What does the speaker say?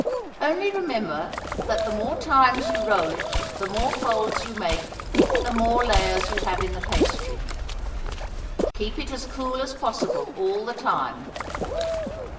Only remember that the more times you roll it the more folds you make, the more layers you have in the pastry. Keep it as cool as possible all the time.